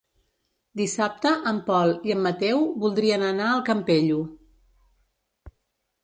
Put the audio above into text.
Dissabte en Pol i en Mateu voldrien anar al Campello.